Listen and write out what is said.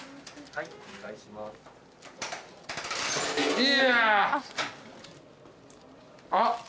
はい。